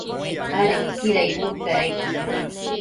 adequida icbudpec aid